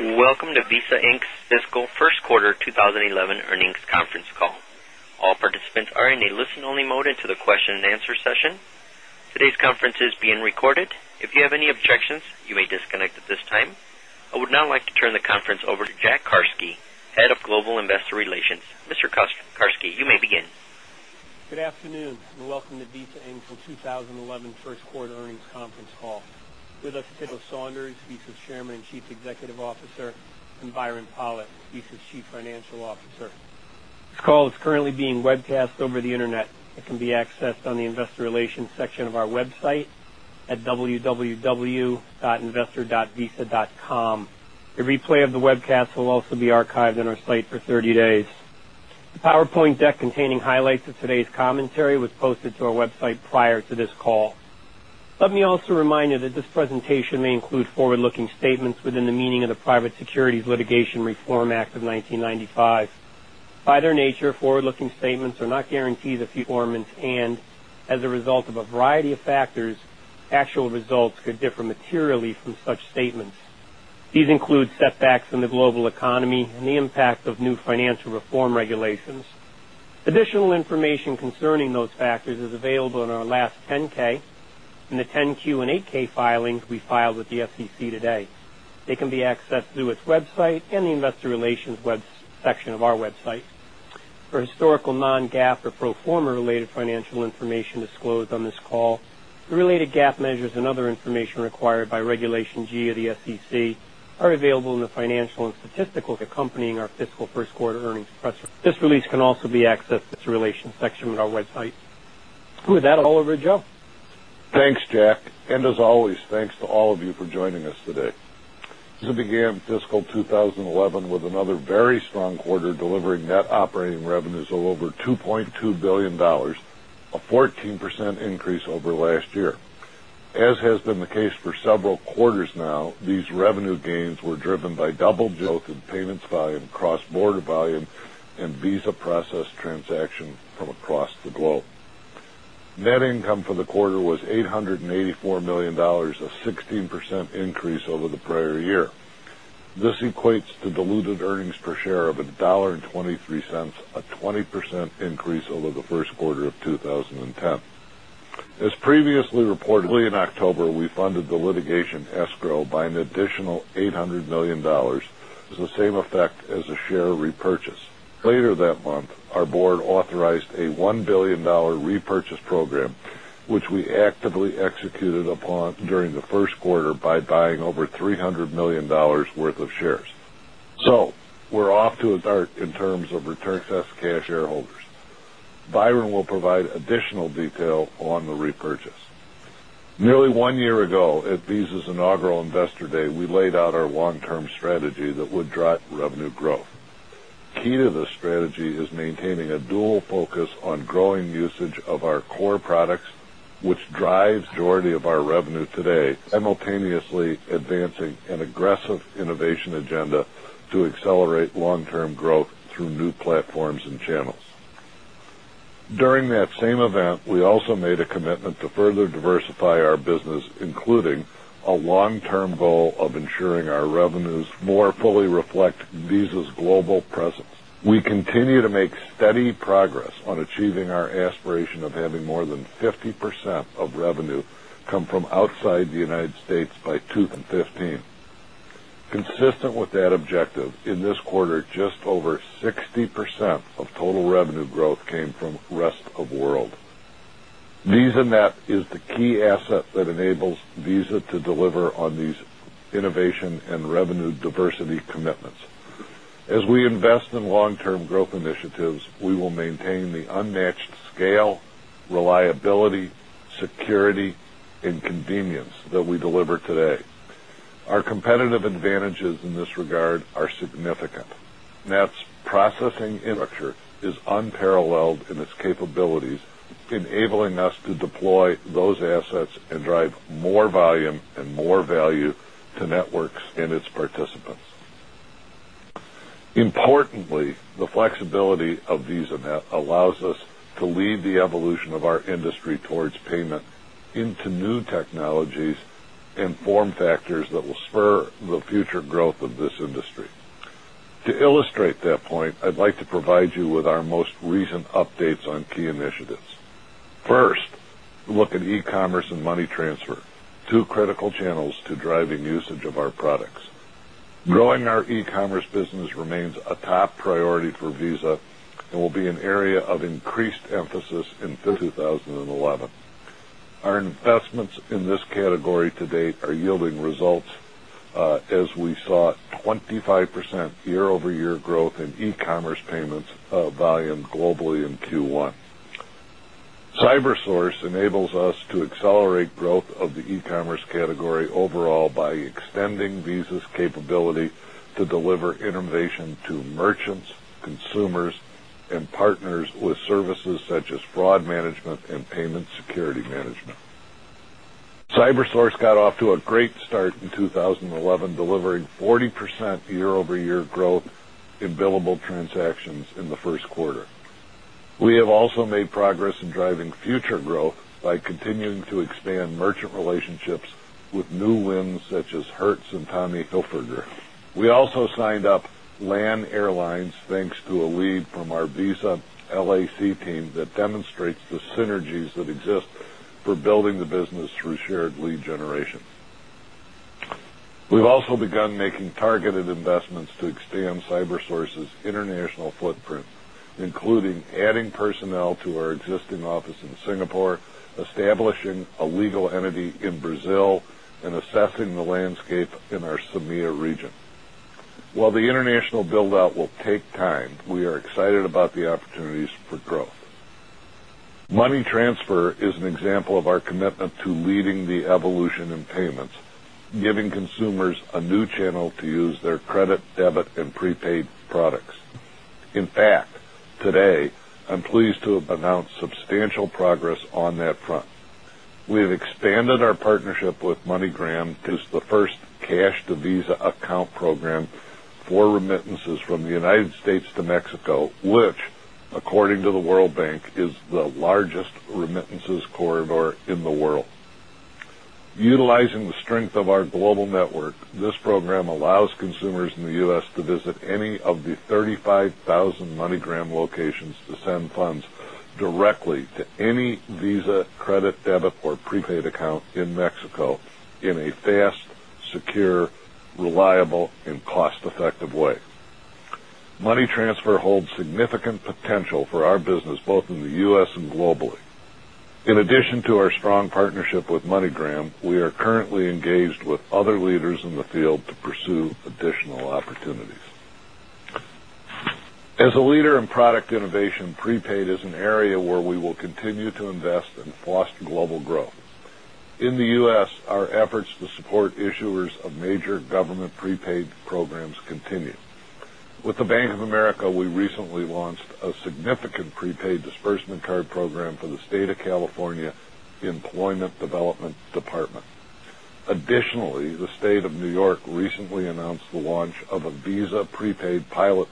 Welcome to Visa Inc. Fiscal First Quarter 20 11 Earnings Conference Call. Today's conference is being recorded. If you have any objections, you may disconnect at this time. I would now like to turn the Good afternoon, and welcome to Visa, Angel's 20 11 First Quarter conference call. We look to Tito Saunders, ESA's Chairman and Chief Executive Officer and Byron Pollitt, ESA's Chief Financial Officer. This call is currently being webcast over the Internet. It can be accessed on the Investor Relations section of our website at www of today's commentary was posted to our website prior to this call. Let me also remind you that this presentation may include forward looking statements within the meaning of the Private Securities litigation Reform Act of 1995. By their nature, forward looking statements are not guarantees of futurements and as a result of a variety of actual results could differ materially from such statements. These include setbacks in the global economy and the impact of new financial regulations. Additional information concerning those factors is available in our last 10 ks and the 10 Q and 8 ks filings we filed with the SEC today. They can be accessed through its website in the Investor Relations section of our website. For historical non GAAP or pro form a related financial information disclosed on this call, the related GAAP measures and other information required by Regulation G of the SEC are available in the financial and statistical accompanying our fiscal Q1 earnings press release. This release can also be accessed in the Investor Relations section of With that, all over to Joe. Thanks, Jack. And as always, thanks to all of you for joining us today. ZO began fiscal 2011 with another very strong quarter delivering net operating revenues of over $2,200,000,000 a 14% increase over last year. As has been the case for several quarters now, these revenue gains were driven by double border volume and Visa process transaction from across the globe. Net income for the quarter was 884,000,000 dollars a 16% increase over the prior year. This equates to diluted earnings per share of $1.23 a an additional $800,000,000 was the same effect as a share repurchase. Later that month, our Board authorized a $1,000,000,000 repurchase program, which we actively executed upon during the Q1 by buying over $300,000,000 worth of shares. So we're off to its art in terms of returns as cash shareholders. Byron will provide additional detail on the repurchase. Nearly one year ago at Visa's inaugural Investor Day, we laid out our long term strategy that would drive revenue growth. Key to this strategy is maintaining agenda to accelerate long term growth through new platforms and channels. During that same event, we also made a to further diversify our business including a long term goal of ensuring our revenues more fully reflect global presence. We continue to make steady progress on achieving our aspiration of having more than 50 percent of revenue come from outside the United States by 2015. Consistent with that objective, in this quarter just over 60% of total revenue growth came from Rest of World. VisaNet is the key asset that enables Visa to deliver on these innovation and revenue diversity commitments. As we invest in long term growth We will maintain the unmatched scale, reliability, security and convenience that we deliver today. Our competitive advantages in this regard are significant. Unparalleled in its capabilities enabling us to deploy those assets and drive more volume and more value to networks in its participants. Importantly, the flexibility of VisaNet allows us to lead the evolution of our industry towards payment into new technologies and form factors that will spur the future 1st, look at e commerce and money transfer, 2 critical channels to driving usage of our products. Growing our business remains a top priority for Visa and will be an area of increased emphasis in 2011. Our investments in this to date are yielding results as we saw 25% year over year growth in e commerce payments volume globally in Q1. CyberSource enables us to accelerate growth of the e commerce category overall by extending Visa's capability to deliver innovation to merchants, consumers and 40% year over year growth in billable transactions in the Q1. We have also made progress in driving future growth by continuing to expand merchant relationships with new wins such as Hertz and Tommy Hilfiger. We also signed shared lead generation. We've also begun making targeted investments to expand CyberSources' international footprint, including adding personnel to our existing office in Singapore, establishing a legal entity in Brazil and assessing the landscape in our CEMEA region. While the international build out will take time, we are excited about the opportunities for Money Transfer is an example of our commitment to leading the evolution in payments, giving consumers a new channel to use account program for remittances from the United States to Mexico, which according to the World Bank is the largest remittances corridor in the world. Utilizing the strength of our global network, this program allows consumers in the U. Credit, debit or prepaid account in Mexico in a fast, secure, reliable and cost effective Money Transfer holds significant potential for our business both in the U. S. And globally. In addition to our strong partnership with MoneyGram, we are currently engaged with other leaders in the field to pursue additional opportunities. As a leader product innovation prepaid is an area where we will continue to invest and foster global growth. In the U. S, our efforts to support issuers of major government prepaid programs continue. With the Bank of America, we recently launched a significant prepaid disbursement card program for the State California Employment Development Department. Additionally, the state of New York recently announced the launch of a Visa prepaid parents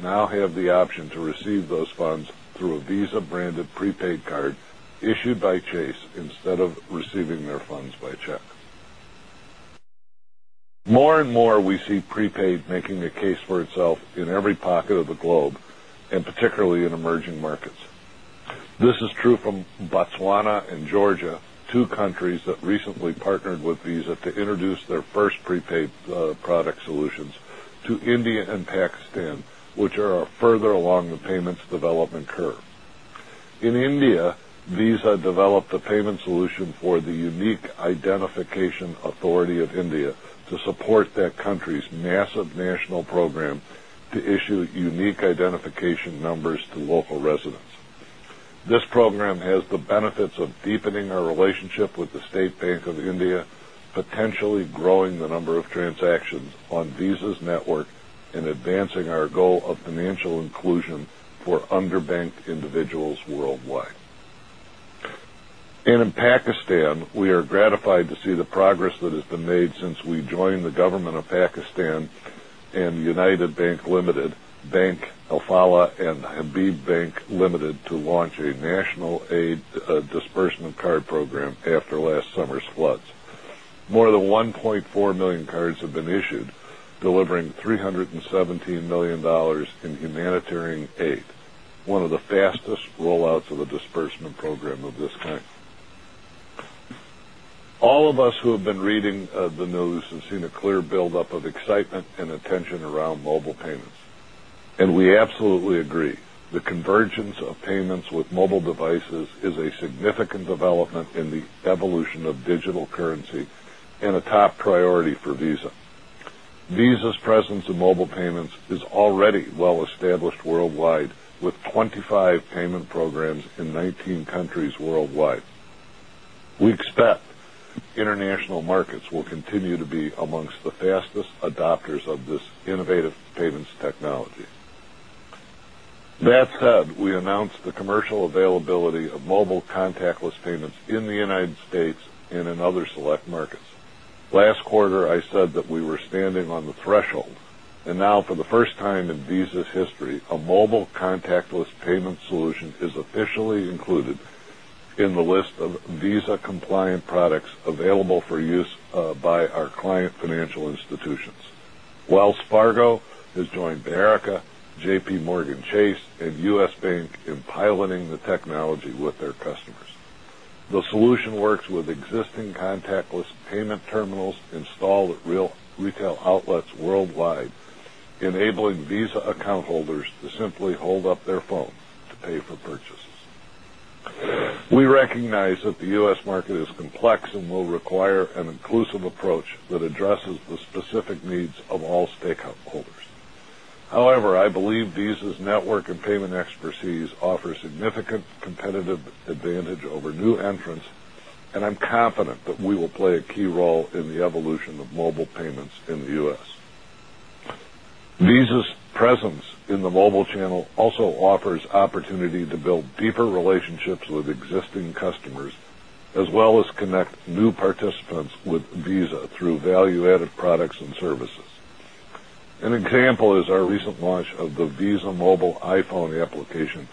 now have the option to receive those funds through a Visa branded prepaid card issued by Chase instead of pocket of the globe and particularly in emerging markets. This is true from Botswana and Georgia, 2 countries that recently partnered with to introduce their 1st prepaid product solutions to India and Pakistan, which are further along authority of India to support that country's massive national program to issue unique identification numbers to local This program has the benefits of deepening our relationship with the State Bank of India, potentially growing the number of transactions We are gratified to see the progress that has been made since we joined the government of Pakistan and United Bank Limited, Bank Alfaala and Habib Bank Limited to launch a national aid disbursement card program after last summer's floods. More than 1,400,000 cards have been issued delivering $317,000,000 in humanitarian aid, one the fastest rollouts of the disbursement program of this kind. All of us who have been reading the news adopters of this innovative payments technology. That said, we announced the commercial availability of mobile contactless payments in the United States and in other select markets. Last quarter, I said that we were standing on the threshold. And now for the first time in Visa's history, a mobile contactless payment solution is officially included in the list of Visa compliant products available for use by our client financial institutions. Wells Fargo has joined Barricka, JPMorgan Chase and U. S. Bank in piloting technology with their customers. The solution works with existing contactless payment terminals installed Real Retail outlets worldwide enabling Visa account holders to simply hold up their phone to pay for purchases. We recognize that the U. S. Market is complex and will require an inclusive approach that addresses the specific needs of all stake holders. However, I believe Visa's network and payment expertise offer significant competitive advantage over new entrants and I'm confident that we will play a key role in the evolution of mobile payments in the U. S. Visa's presence in the mobile channel also offers opportunity to build deeper relationships with existing customers as well as connect new participants with Visa through value added products and services. An example is our recent launch of the Visa mobile iPhone application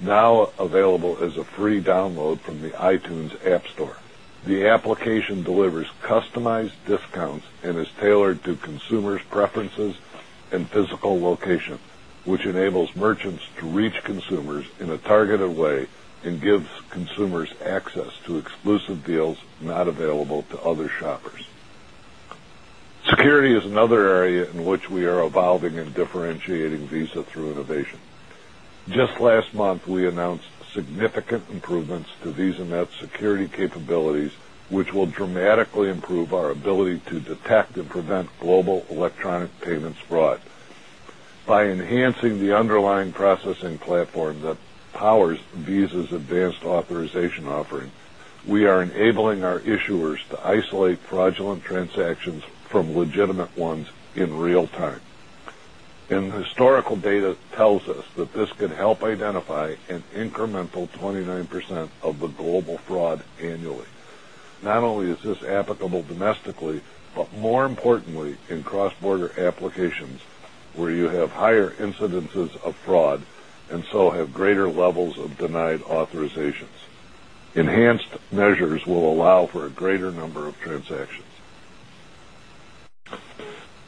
now available as a free download the iTunes App Store. The application delivers customized discounts and is tailored to consumers' preferences and physical location which enables merchants to reach consumers in a targeted way and gives consumers access to exclusive deals not available to other shoppers. Security is another area in which we are evolving capabilities which will dramatically improve our ability to detect and prevent global electronic payments fraud. By enhancing the underlying processing platform that powers Visa's advanced authorization offering, we are enabling our issuers to isolate fraudulent transactions from legitimate in real time. And historical data tells us that this can help identify an incremental 29% of the global fraud annually. Not only is this applicable domestically, but more importantly in cross border applications where you have higher of fraud and so have greater levels of denied authorizations. Enhanced measures will allow for a greater number of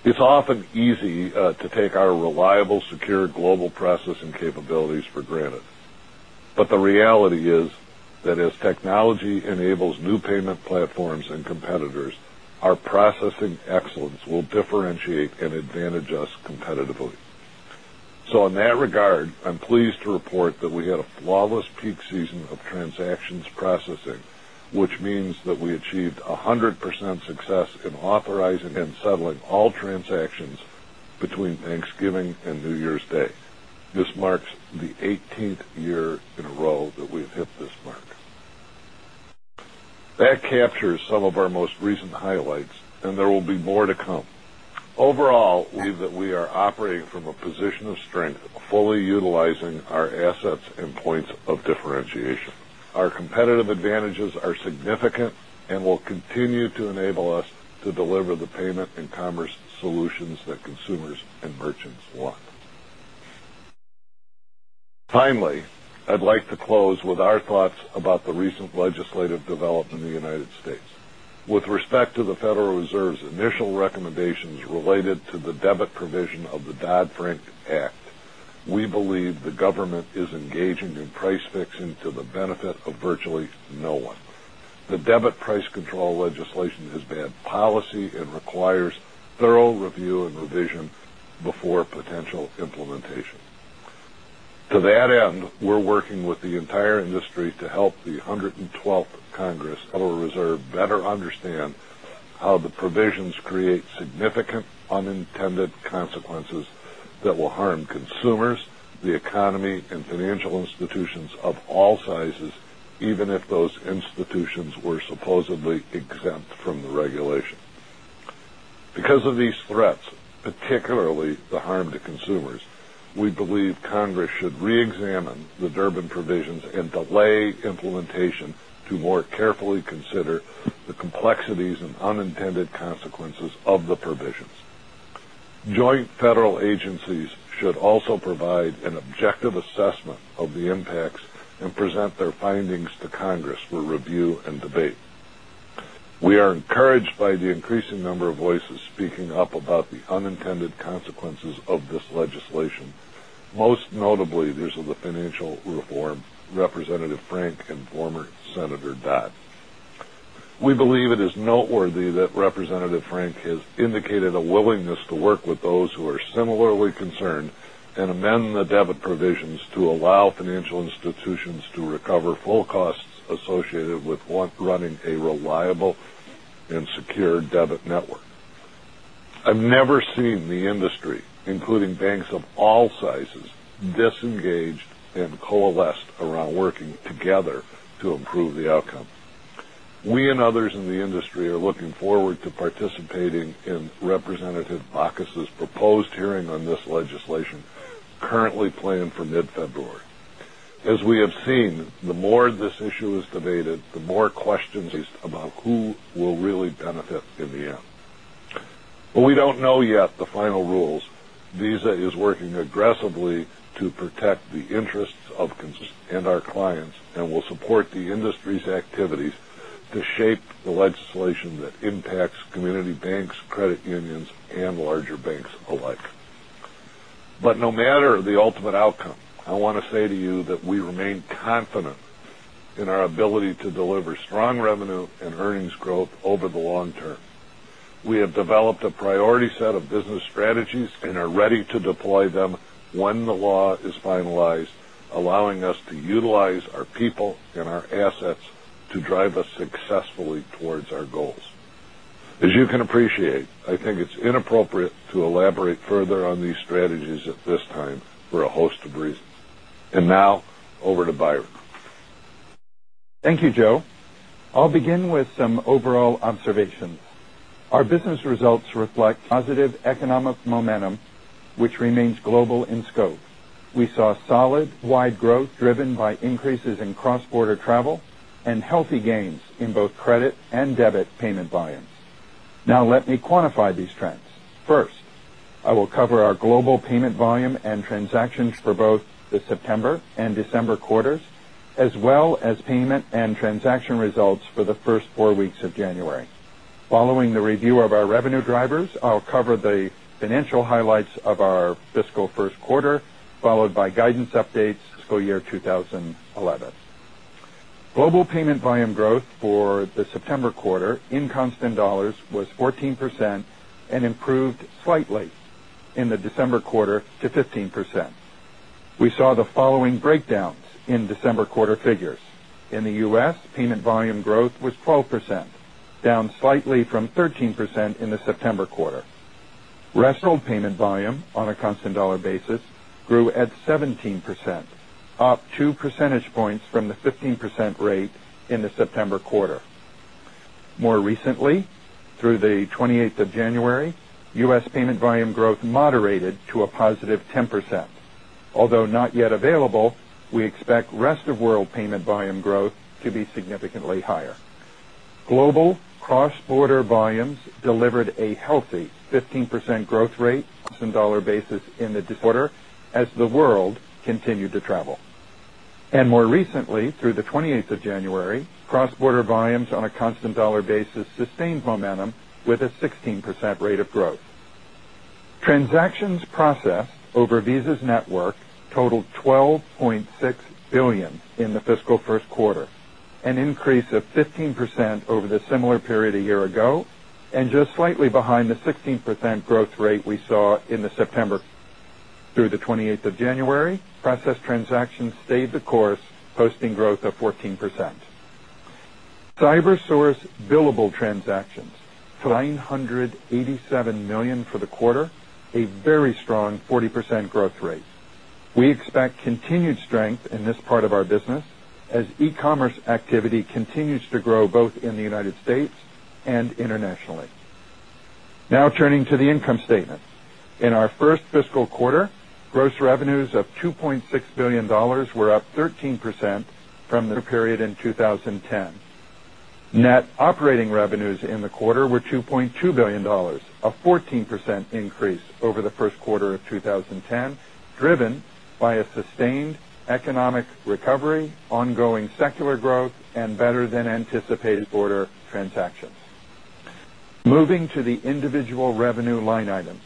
It's often easy to take our reliable, secure global process and capabilities for granted. But the reality is that as technology enables new payment platforms and competitors, our processing excellence will differentiate adjust competitively. So in that regard, I'm pleased to report that we had a flawless peak season of transactions processing, which means that we achieved 100% success in authorizing and settling all transactions between Thanksgiving and New Year's Day. This marks the 18th year in a row that we've hit this mark. That captures some of our most recent highlights and there will be more to come. Overall, we believe that we are operating from a position of strength fully utilizing our sets and points of differentiation. Our competitive advantages are significant and will continue to enable us to deliver the payment and commerce solutions that consumers and merchants want. Finally, I'd like to close with our thoughts about the recent legislative development in the United States. With respect to the Federal Reserve's initial recommendations related to No one. The debit price control legislation has bad policy and requires thorough review and revision before potential implementation. To that end, we're working with the entire industry to help the 112th Congress Federal Reserve better understand how the provisions create significant unintended consequences that will harm Consumers, the economy and financial institutions of all sizes even if those institutions were supposedly exempt up about the unintended consequences of this legislation. Most notably, there's a financial reform, Representative Frank and and amend the debit provisions to allow financial institutions to recover full costs associated with 1 running a reliable and secured debit network. I've never seen the industry including banks of all sizes disengaged and around working together to improve the outcome. We and others in the industry are looking forward to participating in Representative Bachus' proposed hearing on this legislation currently planned for mid February. As we have seen the more this issue is debated, the more questions about who will really benefit in the end. But we don't know yet the final rules. Visa is working aggressively to protect the interests of and our clients and will support the industry's activities to shape the legislation that impacts community banks, credit unions and larger banks alike. But no matter the ultimate outcome, I want to say to you that We remain confident in our ability to deliver strong revenue and earnings growth over the long term. We have developed a priority set business strategies and are ready to deploy them when the law is finalized allowing us to utilize Thank you, Joe. I'll begin with some overall observations. Our business results reflect positive economic which remains global in scope. We saw solid wide growth driven by increases in cross border travel and healthy gains in credit and debit payment volumes. Now let me quantify these trends. 1st, I will cover our global payment volume and transactions for both the September December quarters as well as payment and transaction results for the 1st 4 weeks of January. Following the review of our revenue drivers, I'll cover the financial highlights of our fiscal Q1 followed by guidance dollars was 14% and improved slightly in the December quarter to 15%. We saw the following breakdowns in December quarter figures. In the U. S, payment volume growth was 12%, down slightly from percentage points from the 15% rate in the September quarter. More recently, through the 28th January, U. S. Payment dollar basis in the quarter as the world continued to travel. And more recently through the 28th January, cross border volumes on a constant dollar basis sustained momentum with a 16% rate of growth. Transactions processed over Visa's network period a year ago and just slightly behind the 16% growth rate we saw in the September through 8th January, process transactions stayed the course posting growth of 14%. CyberSource billable transactions, business as e commerce activity continues to grow both in the United States and internationally. Now turning to the statements. In our 1st fiscal quarter, gross revenues of $2,600,000,000 were up 13% from in 2010. Net operating revenues in the quarter were $2,200,000,000 a 14% increase over the Q1 of 10, driven by a sustained economic recovery, ongoing secular growth and better than anticipated order transactions. Moving to the individual revenue line items.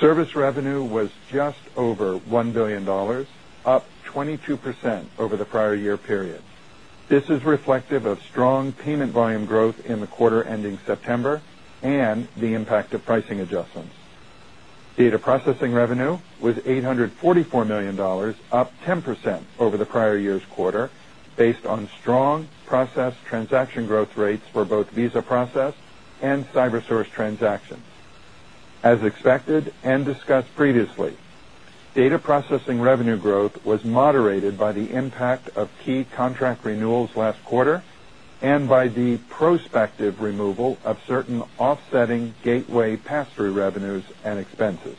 Service revenue was just over 1,000,000,000 dollars up 22% over the prior year period. This is reflective of strong payment volume growth in the quarter ending September and The impact of pricing adjustments. Data processing revenue was $844,000,000 up 10% over the prior year's quarter based on processing revenue growth was moderated by the impact of key contract renewals last quarter and by the prospective removal of certain offsetting gateway pass through revenues and expenses.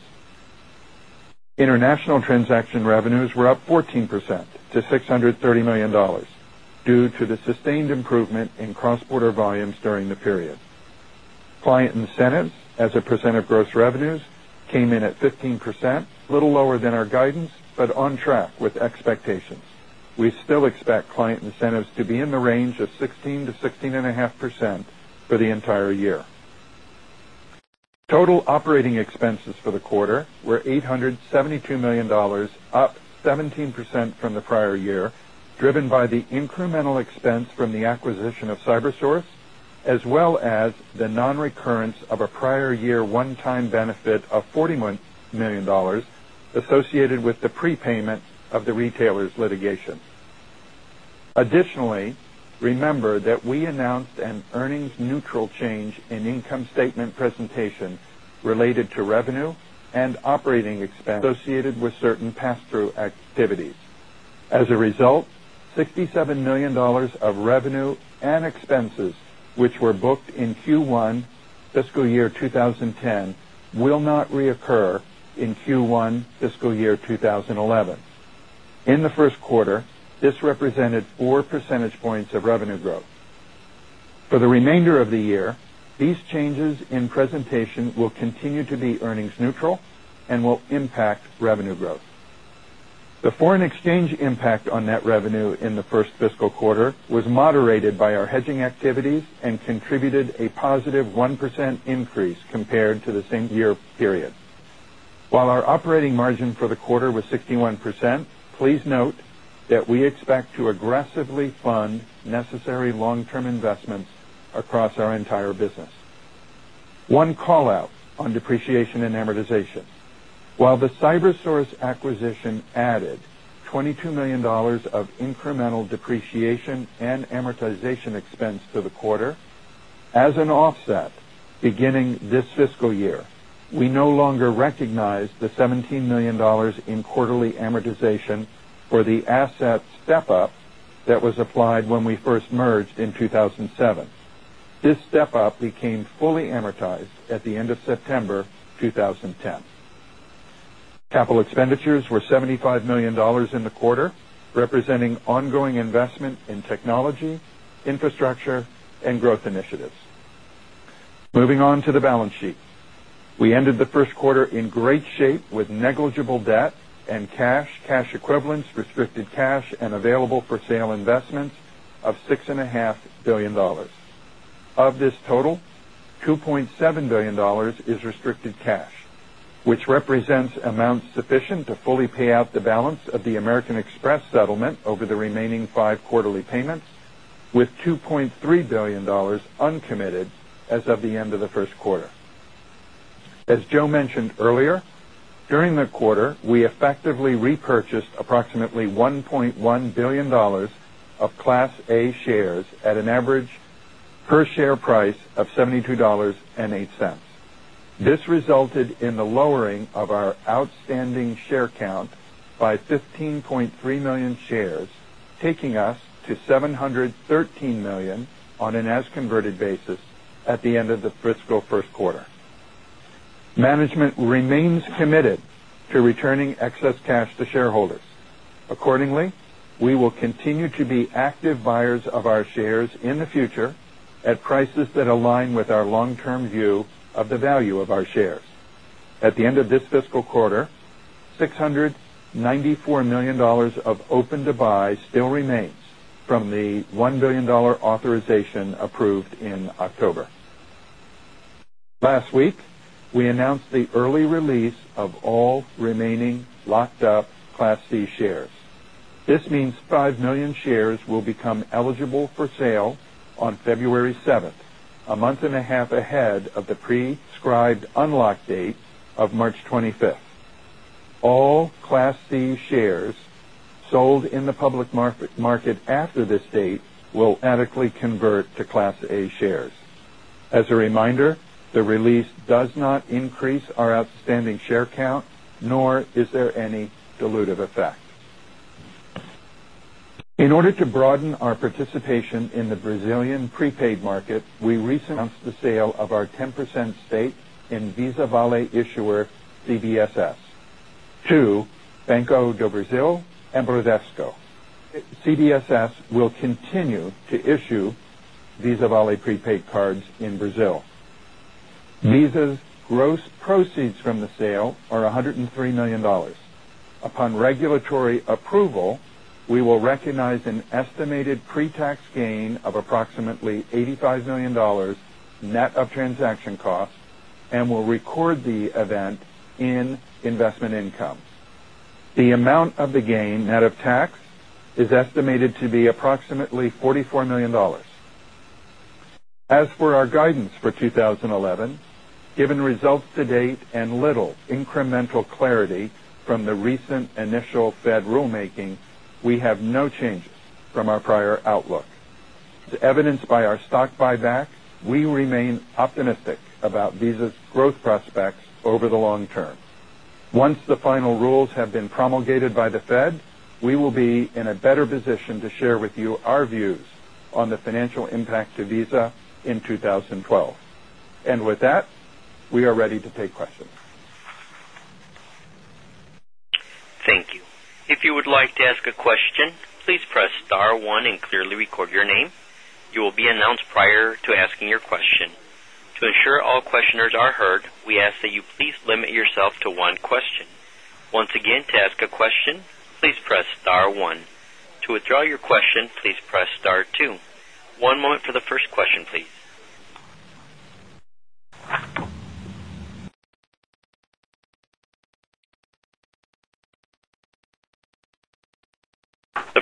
International transaction revenues were up 14% to $630,000,000 due to the sustained improvement in cross border volumes during the period. Client incentives as a percent Gross revenues came in at 15%, little lower than our guidance, but on track with expectations. We still expect incentives to be in the range of 16% to 16.5% for the entire year. Total operating expenses for the quarter were 8 $72,000,000 up 17% from the prior year, driven by the incremental expense from of the retailer's litigation. Additionally, remember that we announced an earnings As a result, dollars 67,000,000 of revenue and expenses, which were booked in Q1 fiscal year 2010 will not reoccur in Q1 fiscal year 2011. In the 1st quarter, this represented 4 percentage points of revenue growth. For the remainder of the year, these changes in presentation will continue to by our hedging activities and contributed a positive 1% increase compared to the same year period. While our operating margin for the quarter business. One call out on depreciation and amortization. While the CyberSource acquisition added $22,000,000 of incremental depreciation and amortization expense to the quarter, the $17,000,000 in quarterly amortization for the asset step up that was applied when we first merged in 2,007. This step up became fully amortized at the end of September 2010. Capital expenditures were $75,000,000 in the quarter, representing ongoing investment in technology, infrastructure growth initiatives. Moving on to the balance sheet. We ended the Q1 in great shape with negligible debt and cash, cash equivalents, restricted cash and available for sale investments of remaining 5 quarterly payments with $2,300,000,000 uncommitted as of the end of the Q1. As Joe mentioned earlier, During the quarter, we effectively repurchased approximately $1,100,000,000 of Class A shares at an average per share price of $72.08 This resulted in the lowering of our outstanding share count by 15 point of the fiscal Q1. Management remains committed to returning excess cash to shareholders. Accordingly, we will to be active buyers of our shares in the future at prices that align with our long term view of the value of our shares. At the end of this fiscal approved in October. Last week, we announced the early release of all remaining after this date, we'll adequately convert to Class A shares. As a reminder, the release does not increase our market, we recently announced the sale of our 10% stake in Visa Vale Issuer CBSS to cards in Brazil. Visa's gross proceeds from the sale are $103,000,000 Upon regulatory approval, we will recognize an estimated pretax gain of approximately $85,000,000 net of transaction costs and to be approximately $44,000,000 As for our guidance for 20.11, given results to date and little incremental clarity from the recent initial Fed rulemaking, we have no changes from our prior outlook. As evidenced by our buyback, we remain optimistic about Visa's growth prospects over the long term. Once the final rules have been promulgated by the Fed, that, we are ready to take questions. Thank you. The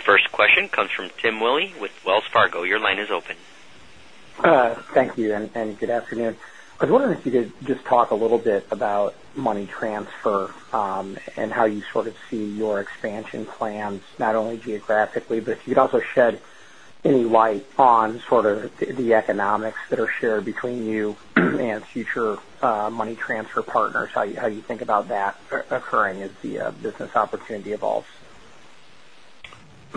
first question comes from Tim Willi with Wells Fargo. Your line is open. I was wondering if you could just talk a little bit about Money Transfer and how you sort of see your expansion plans not only geographically, but if you could also shed any light on sort of the economics that are shared between And future money transfer partners, how do you think about that occurring as the business opportunity evolves?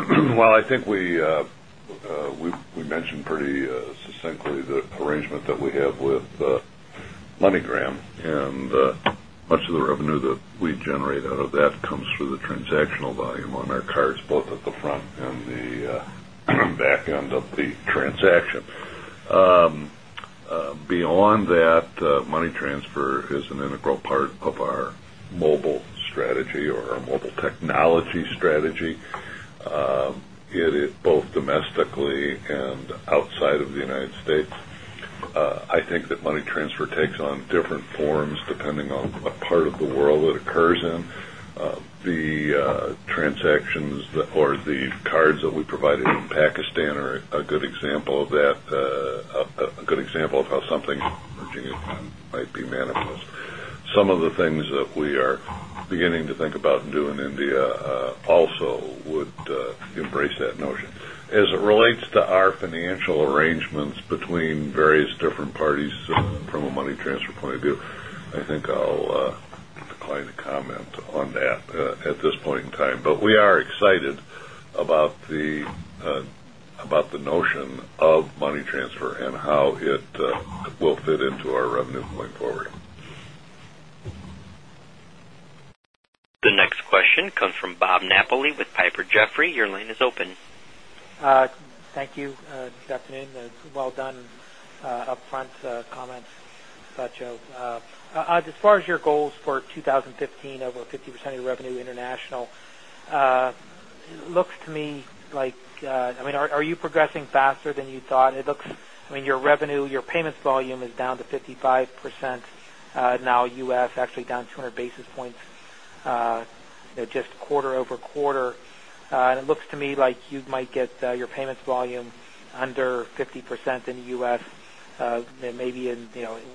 Well, I think We mentioned pretty succinctly the arrangement that we have with MoneyGram and much of the revenue that we rate out of that comes through the transactional volume on our cards, both at the front and the back end of the transaction. Beyond that, money transfer is an integral part of our mobile strategy or our mobile technology strategy. Both domestically and outside of the United States, I think that money transfer takes on Different forms depending on what part of the world it occurs in. The transactions or the cards that we provide Pakistan are a good example of that a good example of how something emerging might be manifest. Some of the things that we are Beginning to think about and do in India also would embrace that notion. As it relates to our financial arrangements between various different parties from a money transfer point of view. I think I'll decline to comment on that at this point in time. But we are The next question comes from Bob Napoli with Piper Jaffray. Your line is open. Thank you. Good afternoon. Well done upfront comments, Sergio. As far as your goals for 2015 over 50% Revenue International. It looks to me like I mean, are you progressing faster than you thought? It looks I mean, your volume is down to 55%, now U. S. Actually down 200 basis points just quarter over quarter. It looks to me like you might get your payments volume under 50% in the U. S. Maybe in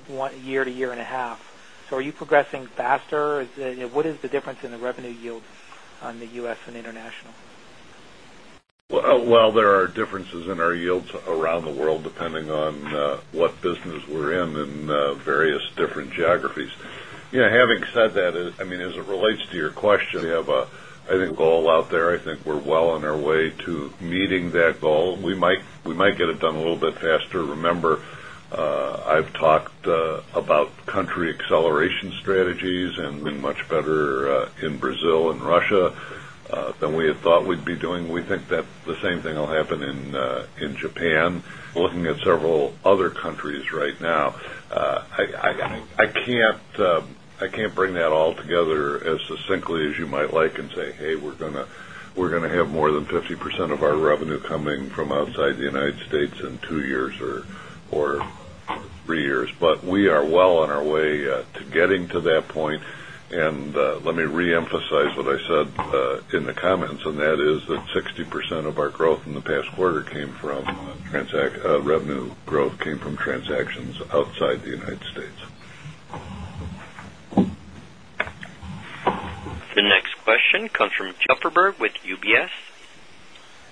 1 year to year and a half. So are you progressing faster? What is the difference in the revenue yields on the U. S. And international? Well, there are differences in our yields around the world depending on what business we're in, in various different geographies. Having I mean, as it relates to your question, we have a, I think, goal out there. I think we're well on our way to meeting that goal. We might get it done a little bit faster. Remember, I've talked about country acceleration strategies and been much better in Brazil and Russia than we had thought we'd be doing. We think that the same thing will happen in Japan. We're looking at several other countries right now. I can't bring that all together as succinctly as you might like and say, hey, we're going to have More than 50% of our revenue coming from outside the United States in 2 years or 3 years, but we are well on way to getting to that point. And let me reemphasize what I said in the comments, and that is that 60% of our growth in the past quarter came from revenue growth came from transactions outside the United States. The next question comes from Zuckerberg with UBS.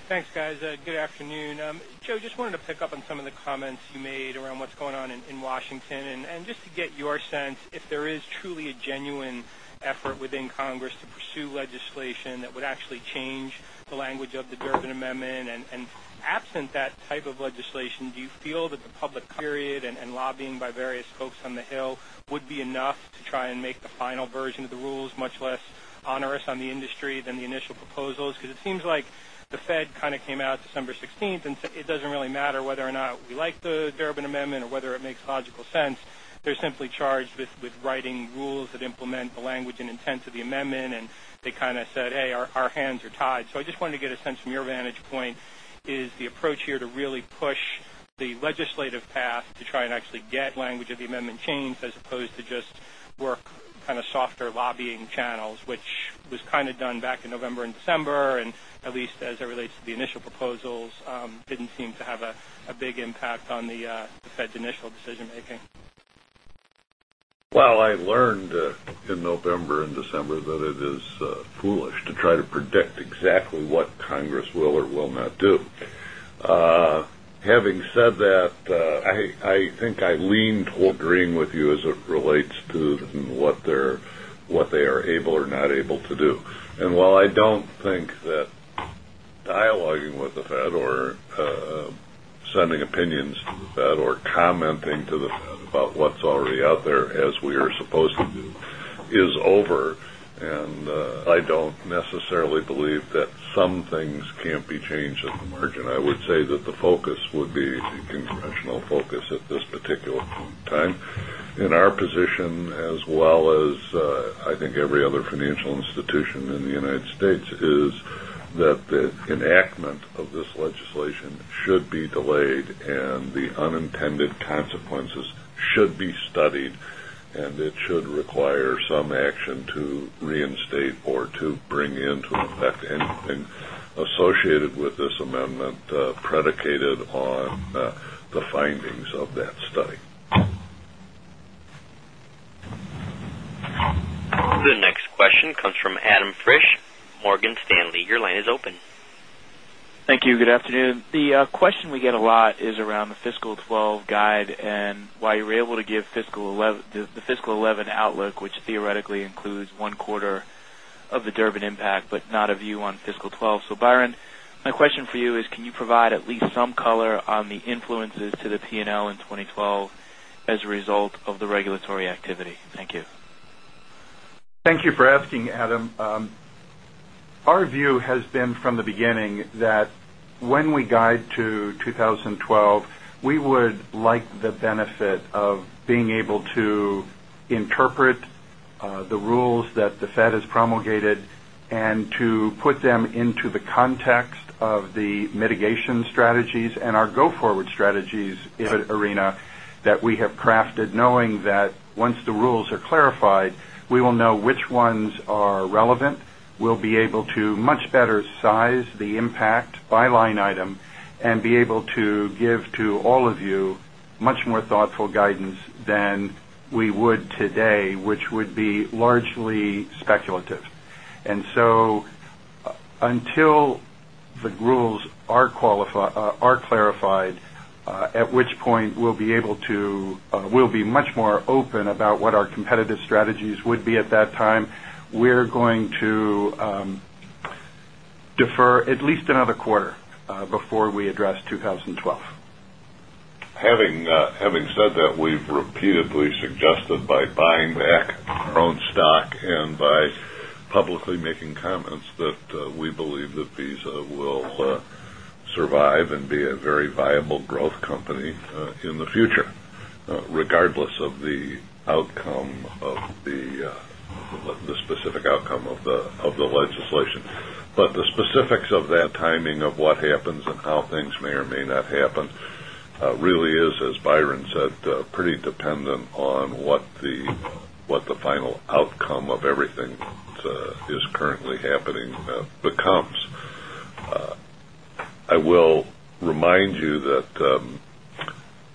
Thanks guys. Good afternoon. Joe, just wanted to pick up on some of the comments you made around what's going on in Washington and just to get your sense if there is truly a genuine effort within Congress to pursue legislation that would actually change the language of the Durbin Amendment? And absent that type of legislation, do you feel that the public period and lobbying by various folks on the Hill would be enough to try and make the final version of the rules much less onerous on the industry than the initial proposals? Because it seems like The Fed kind of came out December 16 and said it doesn't really matter whether or not we like the Durbin Amendment or whether it makes logical sense. They're simply charged with writing rules that implement the language and intent of the amendment and they kind of said, hey, our hands are tied. So I just wanted to get a sense from your vantage point, is the approach here to really push the legislative path to try and actually get language of the amendment changed as opposed to just work kind of softer lobbying channels, which was kind of done back in November December and at least as it relates to the initial proposals, didn't seem to have a big impact on the Fed's initial decision making. Well, I learned in November December that it foolish to try to predict exactly what Congress will or will not do. Having said I think I lean toward agreeing with you as it relates to what they are able or not able to do. And while I don't think that dialoguing with the Fed or sending opinions to the Fed or commenting to the Fed about what's out there as we are supposed to do is over. And I don't necessarily believe that some things can't be changed at the margin. I say that the focus would be the congressional focus at this particular time in our position as Well as I think every other financial institution in the United States is that the enactment of this legislation should be delayed And the unintended consequences should be studied and it should require some action to reinstate or to bring into effect anything associated with this amendment predicated on the findings of that study. The next question comes from Adam Fish, Morgan Stanley. Your line is open. Thank you. Good afternoon. The question we get a lot is around the fiscal 2012 guide and why you were able to give fiscal 2011 outlook, which theoretically includes 1 quarter of the Durbin impact, but not a view on fiscal 2012. So Byron, my question for you is, can you provide at least some color on the influence to the P and L in 2012 as a result of the regulatory activity? Thank you. Thank you for asking, We would like the benefit of being able to interpret the rules that The Fed is promulgated and to put them into the context of the mitigation strategies and our go forward strategies, Irina, that we have crafted knowing that once the rules are clarified, we will know which ones are relevant. We'll be able to much better size the impact by line item and more open about what our competitive strategies would be at that time. We're going to defer at least another quarter before we address 2012. Having said that, we've repeatedly suggested by buying back our own and by publicly making comments that we believe that Visa will survive and be a very viable But the specifics of that timing of what happens and how things may or may not happen really is, as Byron said, dependent on what the final outcome of everything is currently happening becomes. I will remind you that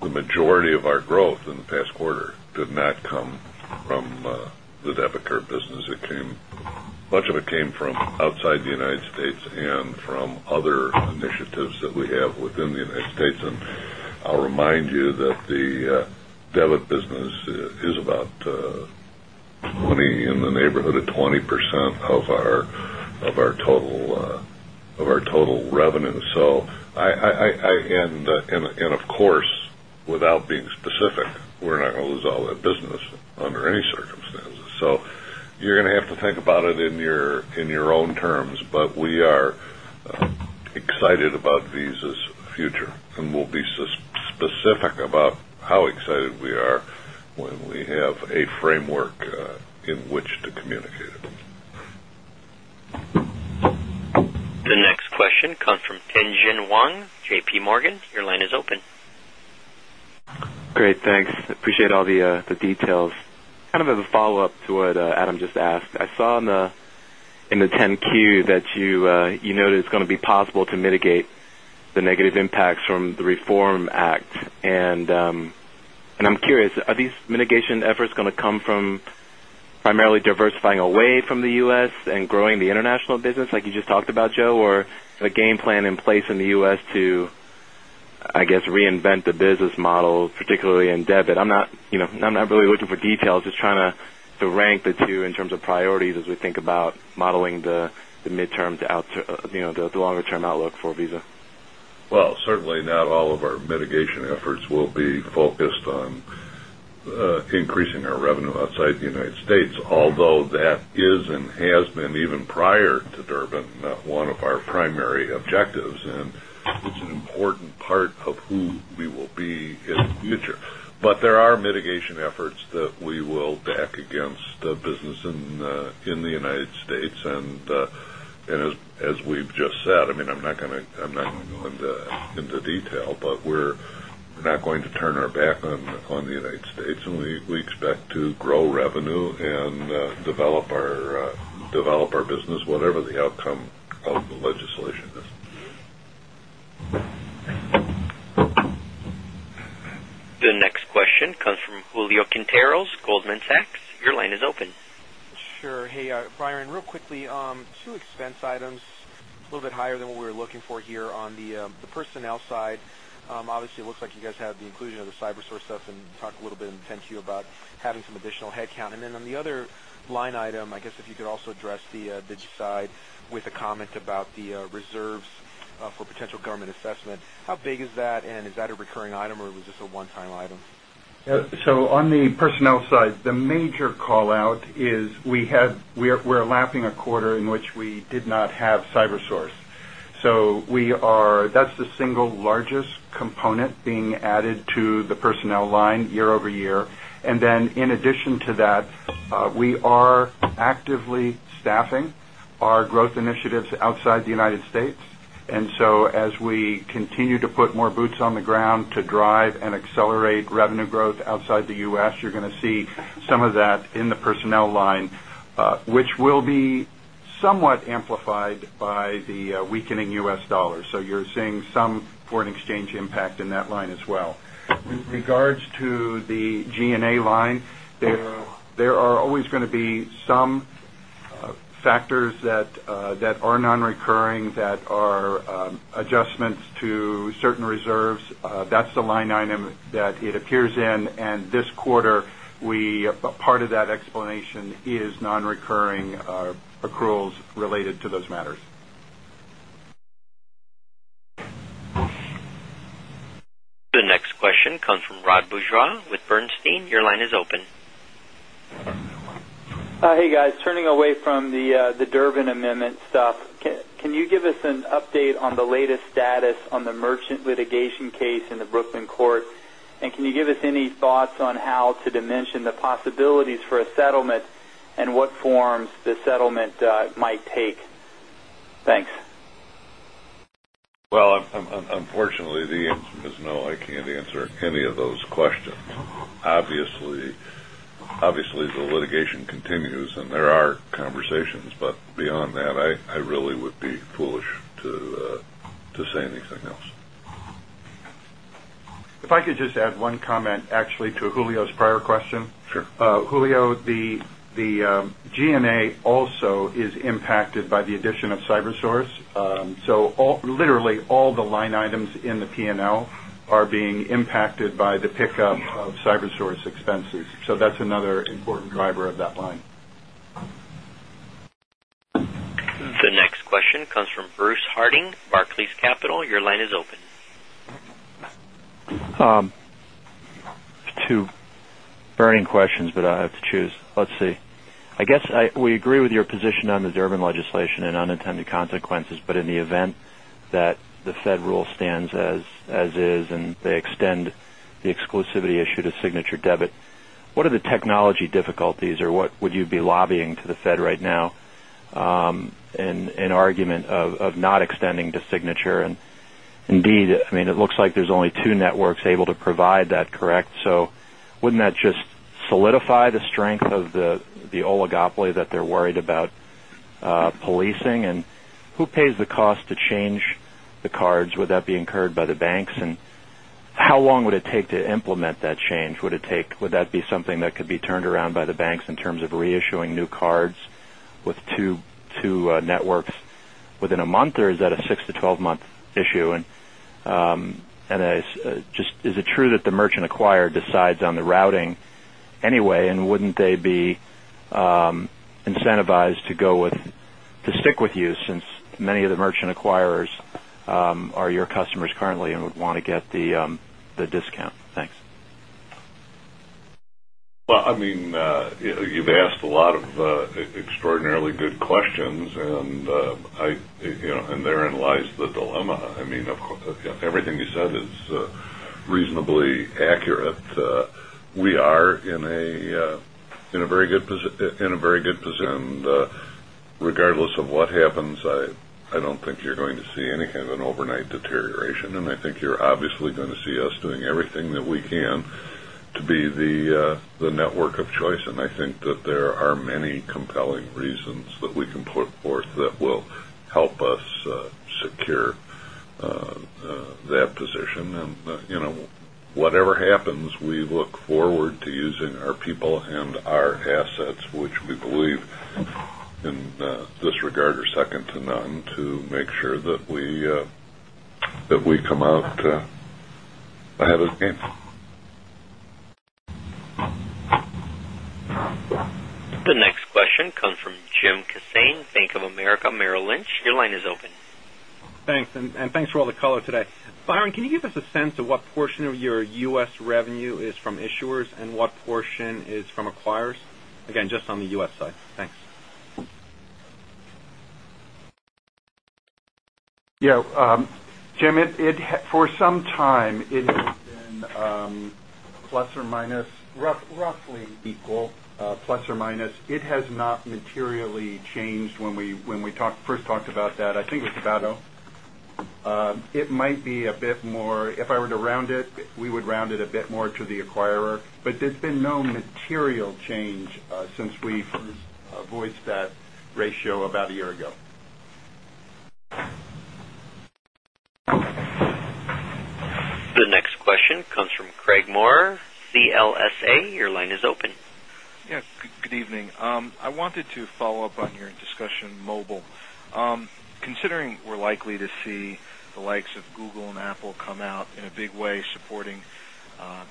the majority of our growth in the past quarter did not come from the debit card business that came much of it came from outside the United States and from other initiatives that we have within the United States. And I'll remind that the debit business is about 20% in the neighborhood of 20% of our total revenue. So I and of course, without being specific, we're not going to lose all that business under any So you're going to have to think about it in your own terms, but we are The next question comes from Zhenhuan, JPMorgan. Your line is open. Great, thanks. Appreciate all the details. Kind of as a from the Reform Act. And I'm curious, are these mitigation efforts going to come from primarily Diversifying away from the U. S. And growing the international business like you just talked about, Joe, or a game plan in place in the U. S. To, I guess, reinvent the business particularly in debit. I'm not really looking for details, just trying to rank the 2 in terms of priorities as we think about modeling the mid term the longer term outlook for Visa? Well, certainly not all of our mitigation efforts will be focused on increasing our revenue It's an important part of who we will be in the future. But there are mitigation efforts that we will back against the business in the United States. And as we've just said, I mean, I'm not going to go The next question comes from Julio Quinteros, Goldman Sachs. Your line is open. Sure. Hey, Brian, real quickly, two expense items, a little bit higher than what we were looking for here on the personnel side. Obviously, it looks like you guys have the inclusion of the CyberSource stuff and talk a little bit in 10Q about some additional headcount. And then on the other line item, I guess if you could also address the Digi side with a comment about the reserves for potential government assessment, how big is that? And is that a recurring item or was this a one time item? So on the Personnel side, the major call out is we had we're lapping a quarter in which we did not have CyberSource. So we are that's the single largest component being added to the personnel line year over year. And then in addition to that, We are actively staffing our growth initiatives outside the United States. And so as we continue to put more boots on the ground to drive Somewhat amplified by the weakening U. S. Dollars. So you're seeing some foreign exchange impact in that line as well. With regards to the G and A line, there are always going to be some factors that are non recurring explanation is non recurring accruals related to those matters. The next question comes from Rod Bourgeois with Bernstein. Your line is open. Hey, guys. Turning away from The Durbin Amendment stuff, can you give us an update on the latest status on the merchant litigation case in the Brooklyn Court? And can you give us any thoughts on how to dimension the possibilities for a settlement and what forms the settlement Thanks. Well, unfortunately, the answer is no. I can't answer Any of those questions, obviously, the litigation continues and there are conversations. But beyond that, I really would be foolish to say anything else. If I could just add one comment actually to Julio's prior question. Julio, the G and A also is impacted by the addition of CyberSource. So literally all the line items in the P and L are being impacted by the pickup of CyberSource expenses. So that's another important driver of that line. The next question comes from Bruce Harding, Barclays Let's see. I guess, we agree with your position on the Durbin legislation and unintended consequences. But in the event that the Fed rule stands As is and they extend the exclusivity issue to Signature Debit. What are the technology difficulties or what would you be lobbying to the Fed right now in there's only 2 networks able to provide that, correct? So wouldn't that just solidify the strength of the oligopoly that they're worried about policing and who pays the cost to change the cards? Would that be incurred by the banks? And how long would it take to implement that change? Would it take would that be something that could be turned around by the banks in terms of reissuing new cards with 2 networks within a month or is that a 6 to 12 month issue? And just is true that the merchant acquirer decides on the routing anyway, and wouldn't they be incentivized to go with to stick with you since of the merchant acquirers, are your customers currently and would want to get the discount? Thanks. Well, I mean, You've asked a lot of extraordinarily good questions and therein lies the dilemma. I mean, everything you said is Reasonably accurate. We are in a very good position. Regardless of what happens, I don't think you're going to see any kind of an overnight deterioration. And I think you're going to see us doing everything that we can to be the network of choice. And I think that there are many compelling reasons that we can put forth that will help us secure that position. And whatever happens, we look forward to using our people and our assets, which we believe in this regard are second to none to make sure The next question comes from Jim Kossain, Bank of America Merrill Lynch. Your line is open. Thanks and thanks for all the color today. Byron, can us a sense of what portion of your U. S. Revenue is from issuers and what portion is from acquirers? Again, just on the US side. Thanks. Yes. Jim, for some time, it Plus or minus roughly equal, plus or minus. It has not materially When we first talked about that, I think it was Caballo. It might be a bit more if I were to round it, we would round a bit more to the acquirer, but there's been no material change since we first voiced that ratio about a year ago. Comes from Craig Maurer, CLSA. Your line is open. Yes, good evening. I wanted to follow-up On your discussion mobile, considering we're likely to see the likes of Google and Apple come out in a big way supporting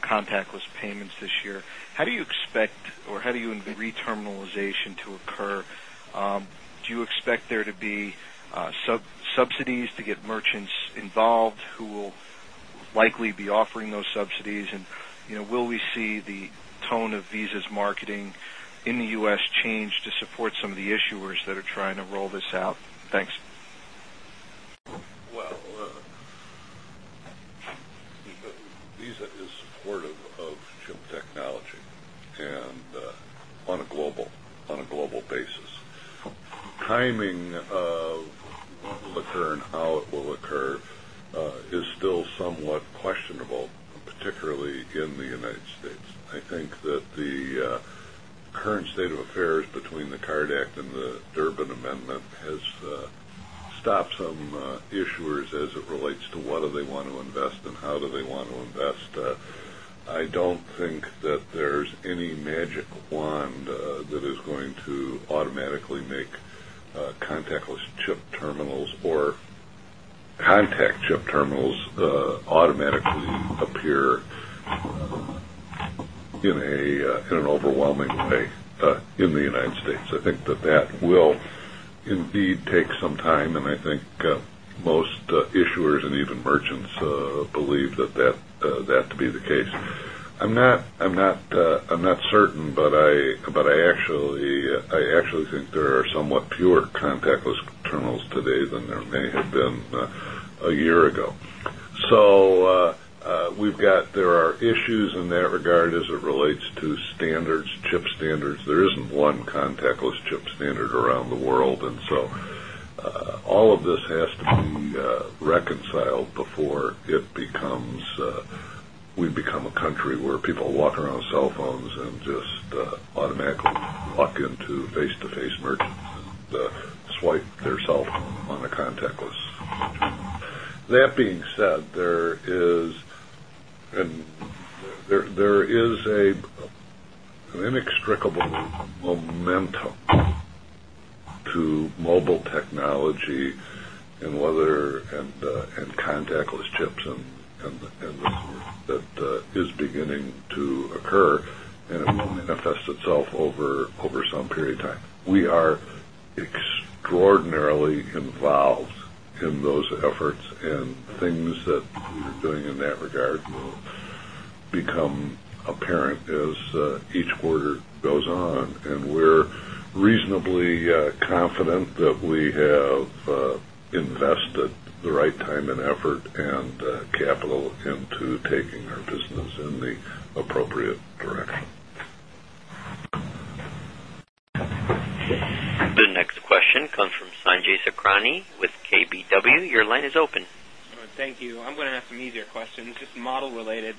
contactless payments this year, how do you expect or how do you reterminalization to occur? Do you expect there to be Subsidies to get merchants involved who will likely be offering those subsidies and will we see the of Visa's marketing in the U. S. Changed to support some of the issuers that are trying to roll this out? Thanks. Well, Visa is supportive of chip technology And on a global basis. Timing of Lecurne how it will occur between the Card Act and the Durbin Amendment has stopped some issuers as it relates to what How do they want to invest? I don't think that there's any magic wand that is going to automatically make chip terminals or contact chip terminals automatically appear in an overwhelming way in the United States. I think that that will indeed take some time and I think most Issuers and even merchants believe that to be the case. I'm not certain, but I actually I think there are somewhat pure contactless terminals today than there may have been a year ago. So we've got there issues in that regard as it relates to standards, chip standards. There isn't one contactless chip standard around the world. And so, All of this has to be reconciled before it becomes we become a country where people walk around cell phones and just automatically walk into face to face merchants and swipe their cell phone on a contact list. That being said, there is an Momentum to mobile technology and weather and and contactless chips and the service that is beginning to occur and it will manifest itself over some period of time. We are extraordinarily involved in those efforts and things that doing in that regard will become apparent as each quarter goes on. And we're reasonably confident that we have invested the right time and effort and capital into taking our business in The next question from Sanjay Sakhrani with KBW. Your line is open. Thank you. I'm going to ask some easier questions, just model related.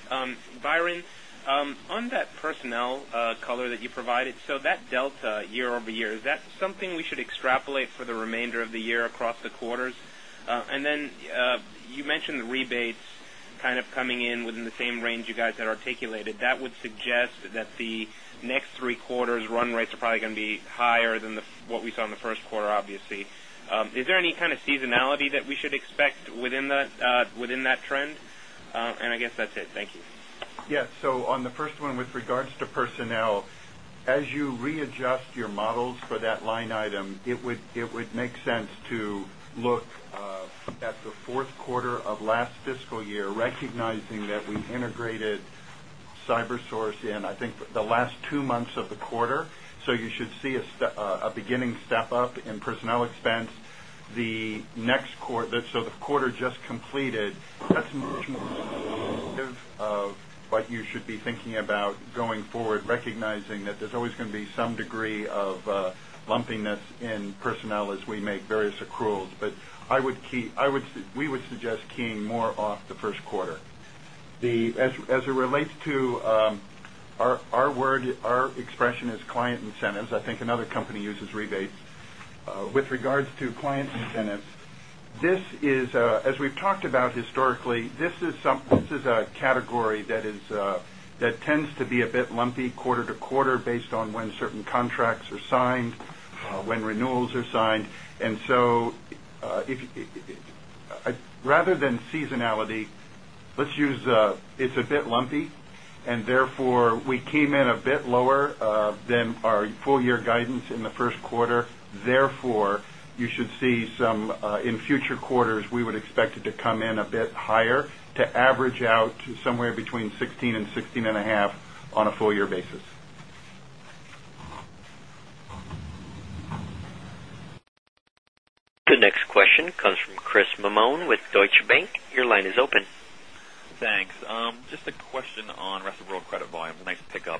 Byron, on that personnel color that you provided. So that delta year over year, is that something we should extrapolate for the remainder of the year across the quarters? And then you mentioned the rebates kind of coming in within the same range you guys had articulated. That would suggest that the Next three quarters run rates are probably going to be higher than what we saw in the Q1 obviously. Is there any kind of that we should expect within that trend? And I guess that's it. Thank you. Yes. So on the first one with regards to personnel, as you readjust your models for that line item, Now as you readjust your models for that line item, it would make sense to look at the Q4 of last fiscal year, recognizing that we integrated CyberSource in, I think, the last 2 months of the quarter. So you should see a beginning up in personnel expense. The next quarter that so the quarter just completed, that's What you should be thinking about going forward recognizing that there's always going to be some degree of lumpiness in personnel as we make various accruals, but I would key I would we would suggest keying more off the Q1. The as it relates to Our word our expression is client incentives. I think another company uses rebates. With regards to client incentives, this is As we've talked about historically, this is some this is a category that is that tends to be a bit lumpy quarter to quarter based on when certain contracts are signed, when renewals are signed. And so, are signed, when renewals are signed. And so, rather than seasonality, let's use it's a bit lumpy and therefore we came in a bit lower than our full year guidance in the Q1. Therefore, you should see some in future quarters, we would expect it to come in a bit higher to average out somewhere between 16% 16.5% on a full year basis. The next question comes from Chris Mamone with Deutsche Bank. Your line is open. Thanks. Just a question on rest of world volumes, a nice pickup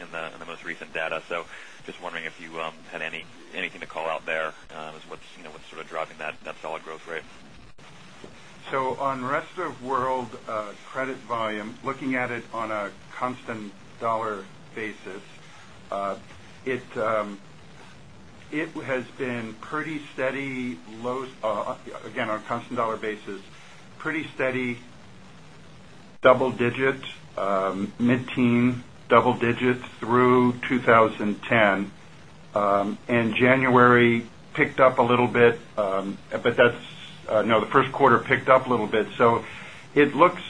in the most recent data. So just wondering if you had anything to call out there as what's sort of That's solid growth rate. So on Rest of World credit volume, looking at it on dollar basis, it has been pretty steady lows again, a constant dollar basis, pretty steady double digit, mid teen double digit through 2010. And January picked up a little bit, but that's no, the Q1 picked up a little bit. So it looks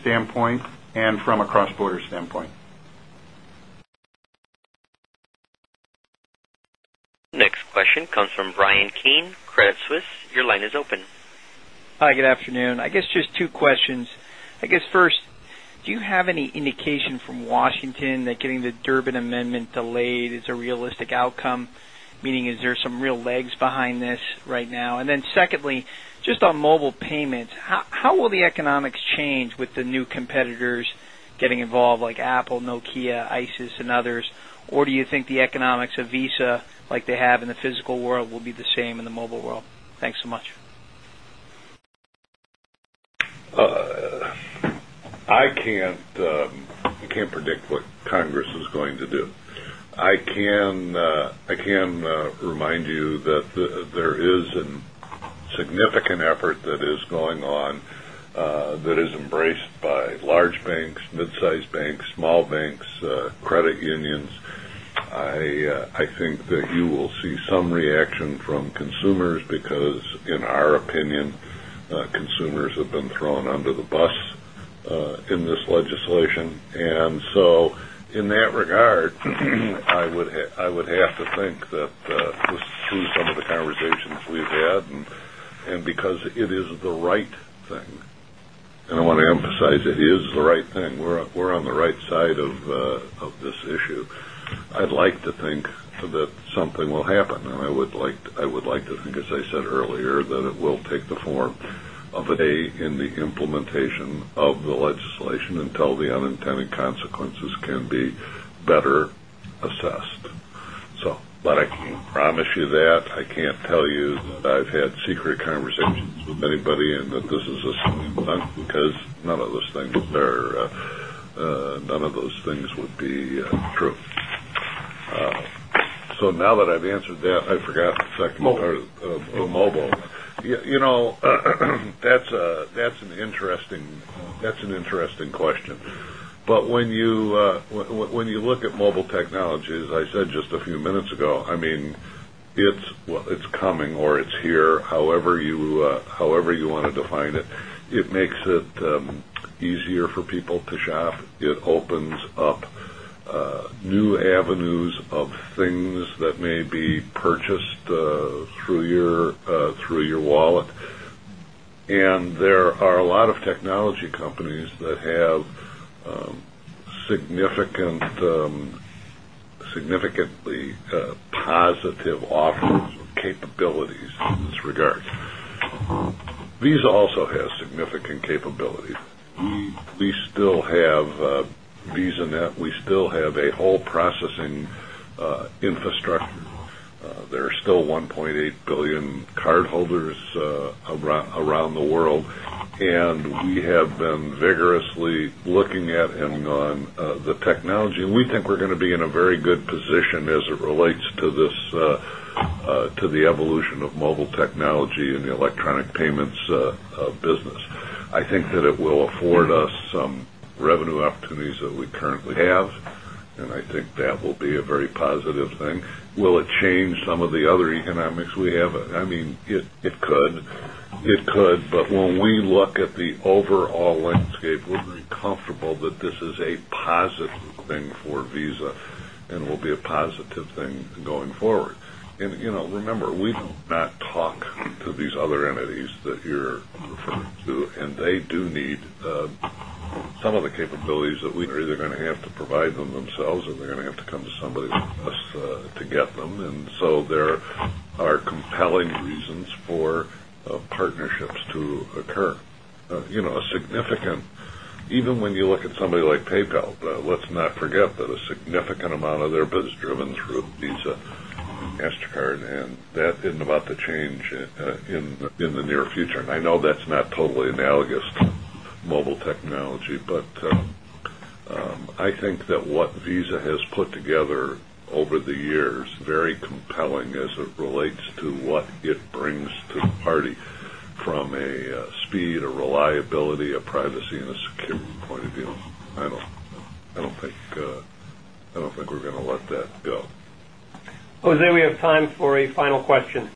standpoint and from a cross border standpoint. Next question comes from Bryan Keane, Credit Suisse. Your line is open. Hi, good afternoon. I guess just two questions. I First, do you have any indication from Washington that getting the Durbin Amendment delayed is a realistic outcome? Meaning, is there real legs behind this right now? And then secondly, just on mobile payments, how will the economics change with the competitors getting involved like Apple, Nokia, ISIS and others? Or do you think the economics of Visa like they have in the physical world will be the same in I can't Can't predict what Congress is going to do. I can remind you that there is I think that you will see some reaction from consumers because in our opinion, consumers have been thrown on the bus in this legislation. And so in that regard, I would have to think that this is through some of the conversations we've had and because it is the right thing, and I want to Emphasize it is the right thing. We're on the right side of this issue. I'd like to think that something will happen. And I would like to think, as I said earlier, that it will take the form of a day in the implementation of the legislation until the anybody and that this is a sign because none of those things would be true. So now that I've answered that, I forgot the second part of mobile. That's an interesting question. But when you look at mobile technology, as I said just a few minutes ago, I mean, it's coming or it's here, however you want to define it. It makes it easier for people to shop, it opens up new avenues of things that may be purchased Through your wallet. And there are a lot of technology companies that have capabilities in this regard. Visa also has significant capabilities. We still have VisaNet. We still have And we have been vigorously looking at him on the technology. We think we're going to be in a very good position as it relates To this to the evolution of mobile technology in the electronic payments business, I think that it will afford us some revenue Tumi's that we currently have and I think that will be a very positive thing. Will it change some of the other economics we have? I mean, it It could. But when we look at the overall landscape, we're very comfortable that this is a positive thing for Visa and will be And remember, we do not talk to these other entities that you're referring to, and they do need Some of the capabilities that we are either going to have to provide them themselves or they're going to have to come to somebody with us to get And so there are compelling reasons for partnerships to occur. A significant even when you look somebody like PayPal, let's not forget that a significant amount of their business is driven through Visa, Mastercard and that isn't about to change in the near future. And I know that's not totally analogous to mobile technology, but I think that what Visa privacy and a security point of view. I don't think we're going to let that go. Jose, we have time for a final